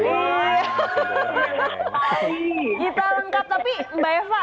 enggak enggak enggak pakai ini enggak pakai irisan cabe karena kan